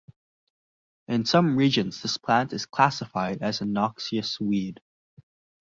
In some regions this plant is classified as a noxious weed.